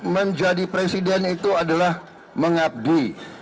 menjadi presiden itu adalah mengabdi